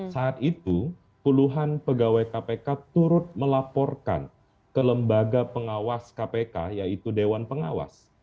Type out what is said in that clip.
saat itu puluhan pegawai kpk turut melaporkan ke lembaga pengawas kpk yaitu dewan pengawas